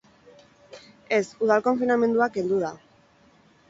Ez, udal-konfinamendua kendu da.